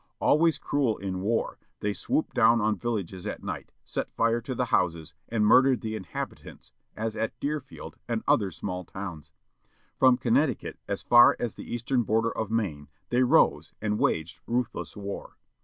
Always cruel in war they swooped down on villages at night, set fire to the houses, and murdered the inhabitants, as at Deerfield, and other small towns. From Connecticut as far as the eastern border of Maine they rose, and waged ruthless war.